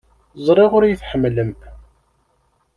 Ẓriɣ ur iyi-tḥemmlem.